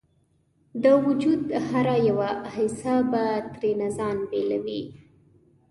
د وجود هره یوه حصه به ترېنه ځان بیلوي